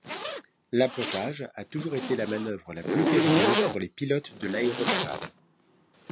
L'appontage a toujours été la manœuvre la plus périlleuse pour les pilotes de l'aéronavale.